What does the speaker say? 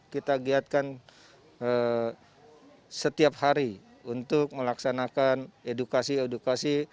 kita giatkan setiap hari untuk melaksanakan edukasi edukasi